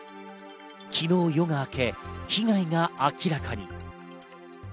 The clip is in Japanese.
昨日、夜が明け、被害が明らかに。